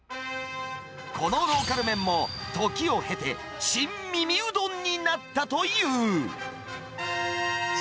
このローカル麺も、時を経て、シン・耳うどんになったという。